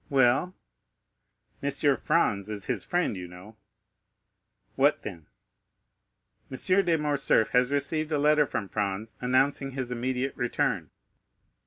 "Well?" "Monsieur Franz is his friend, you know." "What then?" "Monsieur de Morcerf has received a letter from Franz, announcing his immediate return."